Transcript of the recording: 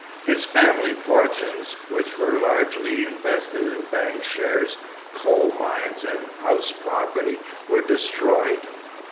His family fortunes, which were largely invested in bank shares, coal mines, and house property, were destroyed.